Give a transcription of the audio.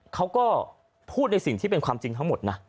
เขาก็พูดในสิ่งที่เป็นความจริงทั้งหมดนะ